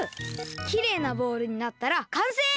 きれいなボールになったらかんせい！